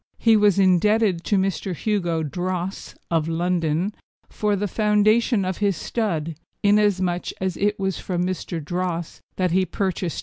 He was indebted to Mr. Hugo Droesse, of London, for the foundation of his stud, inasmuch as it was from Mr. Droesse that he purchased Ch.